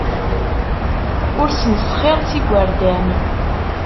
Ur smesxir s yigerdan.